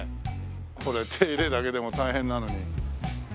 これ手入れだけでも大変なのに。